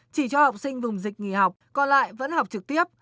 chỉ cho học sinh vùng dịch nghỉ học còn lại vẫn học trực tiếp